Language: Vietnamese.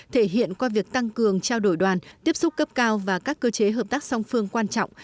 thể hiện qua việc tăng cường trao đổi đoàn tiếp xúc cấp cao và các cơ chế hợp tác song phương quan trọng